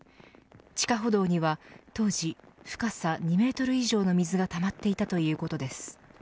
地下歩道には当時深さ２メートル以上の水がたまっていたということです。